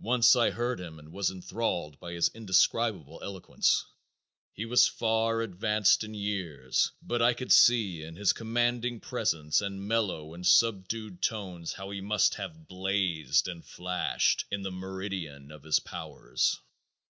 Once I heard him and was enthralled by his indescribable eloquence. He was far advanced in years, but I could see in his commanding presence and mellow and subdued tones how he must have blazed and flashed in the meridian of his powers.